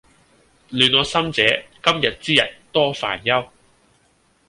亂我心者，今日之日多煩憂